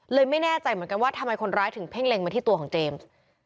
ไม่แน่ใจเหมือนกันว่าทำไมคนร้ายถึงเพ่งเล็งมาที่ตัวของเจมส์